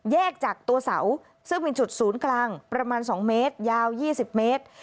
จากตัวเสาซึ่งเป็นจุดศูนย์กลางประมาณ๒เมตรยาว๒๐เมตร